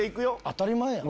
当たり前やん。